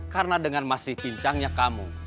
karena dengan masih pincangnya kamu